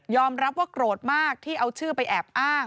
รับว่าโกรธมากที่เอาชื่อไปแอบอ้าง